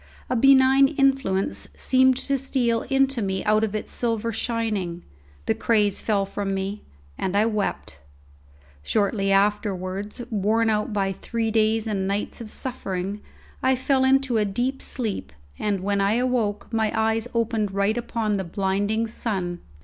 A benign influence seemed to steal into me out of its silver shining; the craze fell from me, and I wept. Shortly afterwards, worn out by three days and nights of suffering, I fell into a deep sleep, and when I awoke my eyes opened right upon the blinding sun.